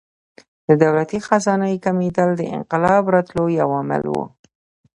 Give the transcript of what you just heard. د دولتي خزانې کمېدل د انقلاب راتلو یو لامل و.